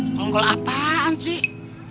sekongkol apaan sih